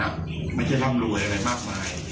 ครอบครัวเขาก็ถานับไม่ใช่ร่ำรวยอะไรมากมาย